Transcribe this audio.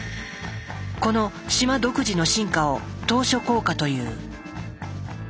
この島独自の進化を「島嶼効果」という。